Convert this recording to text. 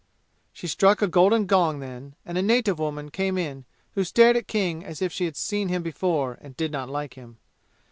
She struck a golden gong then, and a native woman came in who stared at King as if she had seen him before and did not like him.